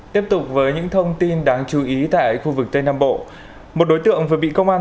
tiếp tục với những thông tin đáng chú ý tại khu vực tây nam bộ một đối tượng vừa bị công an